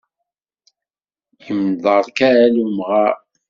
Yemḍerkal umɣar.